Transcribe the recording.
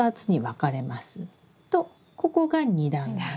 とここが２段目。